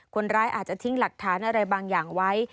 คนร้ายอาจจะทิ้งหลักฐานอะไรบางอย่างไว้